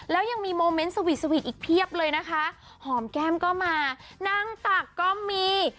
แล้วยังมีโมเมนต์สวีทสวีทอีกเพียบเลยนะคะหอมแก้มก็มานั่งตักก็มี